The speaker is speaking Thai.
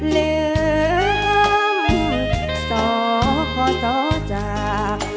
ลืมสอบขอสอบจาก